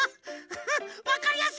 ハハッわかりやすい！